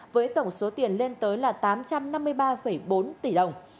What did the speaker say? với tổng số tiền lên tới là tám trăm năm mươi ba bốn tỷ đồng